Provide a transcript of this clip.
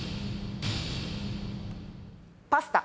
パスタ。